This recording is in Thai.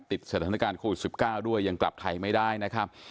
ติดสถานการณ์โควิด๑๙ด้วยยังกลับไทยไม่ได้นะครับ